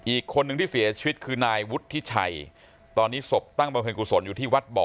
อีกคนหนึ่งที่เสียชีวิตคือนายตอนนี้อยู่ที่วัดบ่อ